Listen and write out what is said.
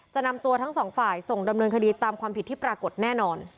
จริงจริง